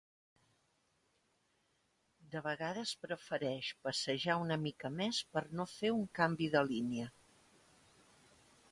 De vegades prefereix passejar una mica més per no fer un canvi de línia.